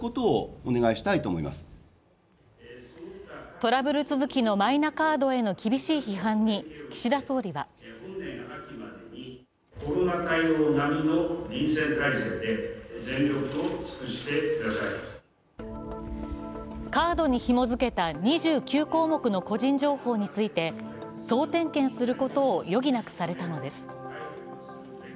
トラブル続きのマイナカードへの厳しい批判に岸田総理はカードにひも付けた２９項目の個人情報について総点検することを余儀なくされたのです。